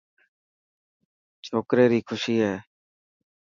ڇوڪري ري خوشي هي.